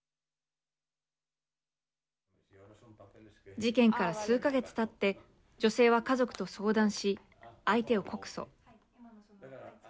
事件から数か月たって女性は家族と相談し相手を告訴。